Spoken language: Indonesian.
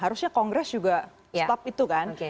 harusnya kongres juga stop itu kan